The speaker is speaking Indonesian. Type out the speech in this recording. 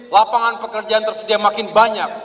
lapangan pekerjaan tersedia makin banyak